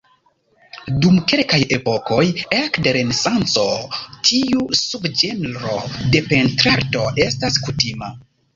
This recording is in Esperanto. Dum kelkaj epokoj ekde Renesanco tiu subĝenro de pentrarto estas kutima.